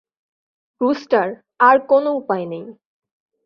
Rooster, আর কোনো উপায় নেই।